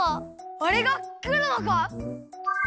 あれがくるのか！？